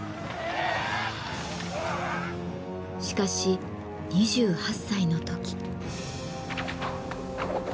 しかし２８歳の時。